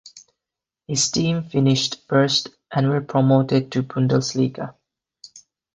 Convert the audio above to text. His team finished first, and were promoted to the Bundesliga.